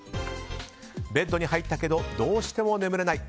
ベッドに入ったけどどうしても眠れない。